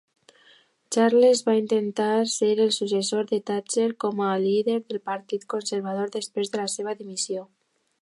Charles va intentar ser el successor de Thatcher com a líder del partit conservador després de la seva dimissió.